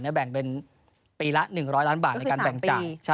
แบ่งเป็นปีละ๑๐๐ล้านบาทในการแบ่งจ่าย